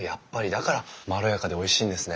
だからまろやかでおいしいんですね。